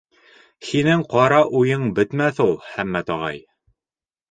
— Һинең ҡара уйың бөтмәҫ ул, Хаммат ағай.